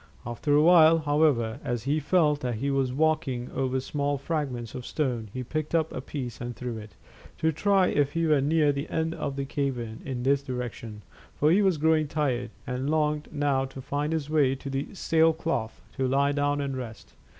After a while, however, as he felt that he was walking over small fragments of stone, he picked up a piece and threw it, to try if he were near the end of the cavern in this direction, for he was growing tired and longed now to find his way to the sailcloth to lie down and rest.